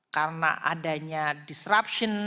karena adanya disruption